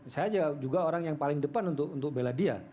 saya juga orang yang paling depan untuk bela dia